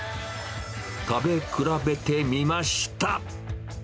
食べ比べてみました。